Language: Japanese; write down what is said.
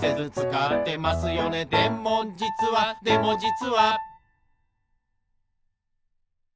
「でもじつはでもじつは」